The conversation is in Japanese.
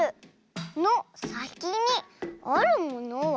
「のさきにあるものは？」